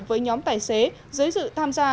với nhóm tài xế giới dự tham gia